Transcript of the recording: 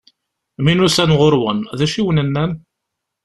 Mi n-usan ɣur-wen, d acu i awen-nnan?